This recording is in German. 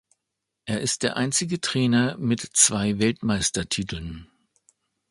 Er ist der einzige Trainer mit zwei Weltmeistertiteln.